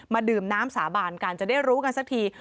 ดื่มน้ำสาบานกันจะได้รู้กันสักที